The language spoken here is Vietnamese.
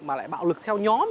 mà lại bạo lực theo nhóm